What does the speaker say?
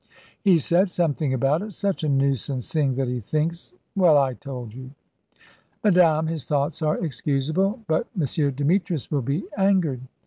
"He said something about it. Such a nuisance, seeing that he thinks well, I told you." "Madame, his thoughts are excusable. But M. Demetrius will be angered."